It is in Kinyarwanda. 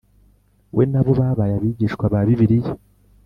we Na bo babaye Abigishwa ba Bibiliya